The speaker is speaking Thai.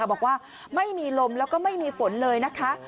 บอกว่าไม่มีลมแล้วก็ไม่มีฝนเลยนะคะ